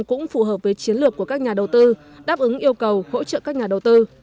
cũng phù hợp với chiến lược của các nhà đầu tư đáp ứng yêu cầu hỗ trợ các nhà đầu tư